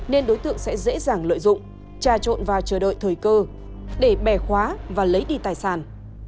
nên đối tượng sẽ dễ dàng lợi dụng trà trộn và chờ đợi thời cơ để bẻ khóa và lấy đi tài sản